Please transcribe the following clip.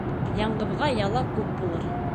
Яңғыҙға яла күп булыр.